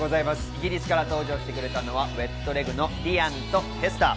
イギリスから登場してくれたのはＷｅｔＬｅｇのリアンとヘスター。